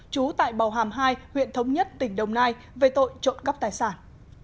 trú tại bào hàm hai huyện thống nhất tỉnh đồng nai về tội trộm cắp tài sản